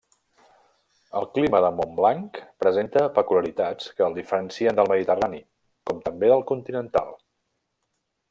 El clima de Montblanc presenta peculiaritats que el diferencien del mediterrani, com també del continental.